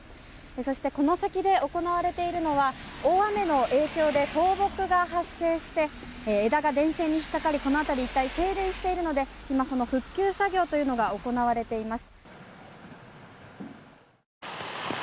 そしてこの先で行われているのは大雨の影響で倒木が発生して枝が電線に引っ掛かりこの辺り一帯、停電しているので今、復旧作業が行われています。